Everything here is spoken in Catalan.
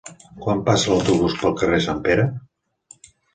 Quan passa l'autobús pel carrer Sant Pere?